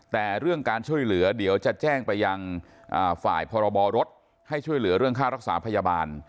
แต่เรื่องการช่วยเหลือเดี๋ยวจะแจ้งไปยังฝ่ายพรบรถให้ช่วยเหลือเรื่องค่ารักษาพยาบาล